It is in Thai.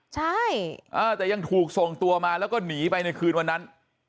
ใช่แต่ยังถูกส่งตัวมาแล้วก็หนีไปในคืนวันนั้น